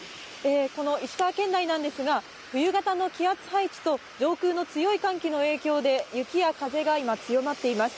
この石川県内なんですが、冬型の気圧配置と上空の強い寒気の影響で、雪や風が今強まっています。